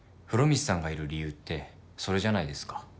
風呂光さんがいる理由ってそれじゃないですか？